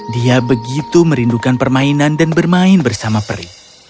dia begitu merindukan permainan dan bermain bersama peri